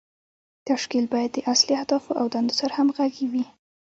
تشکیل باید د اصلي اهدافو او دندو سره همغږی وي.